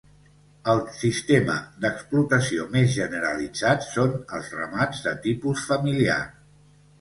El sistema d'explotació més generalitzat són els ramats de tipus familiar.